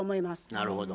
なるほど。